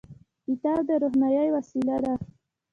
کتاب د روښنايي وسیله ده.